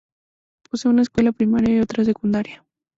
Posee una escuela primaria y otra secundaria.